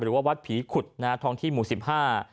หรือว่าวัดผีขุดน้าท้องที่หมู่สิบห้า